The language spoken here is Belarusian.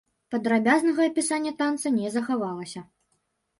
Падрабязнага апісання танца не захавалася.